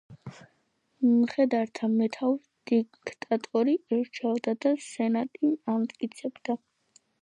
მხედართა მეთაურს დიქტატორი ირჩევდა და სენატი ამტკიცებდა.